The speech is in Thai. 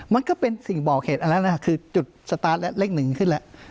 มันก็เป็นสิ่งบอกเหตุอันนั้นนะครับคือจุดสตาร์ทและเลขหนึ่งขึ้นแล้ว